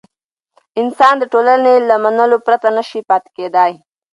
انسان د ټولنې له منلو پرته نه شي پاتې کېدای.